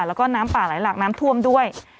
แล้วก็น้ำป่าไหลหลากน้ำท่วมด้วย